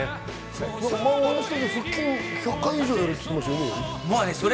腹筋１００回以上やるって言ってましたよね、前。